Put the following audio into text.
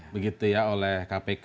begitu ya oleh kpk